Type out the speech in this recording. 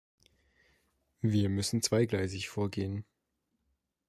Wir müssen zweigleisig vorgehen.